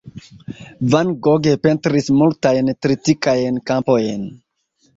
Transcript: Van Gogh pentris multajn tritikajn kampojn.